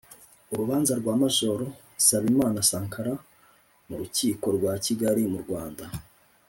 Urubanza rwa Major Nsabimana Sankara m'urukiko rwa Kigali mu Rwanda.